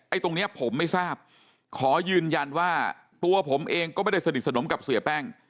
ตรงเนี้ยผมไม่ทราบขอยืนยันว่าตัวผมเองก็ไม่ได้สนิทสนมกับเสียแป้ง